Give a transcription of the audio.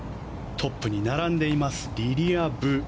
トップに並んでいますリリア・ブ。